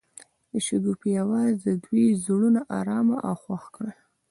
د شګوفه اواز د دوی زړونه ارامه او خوښ کړل.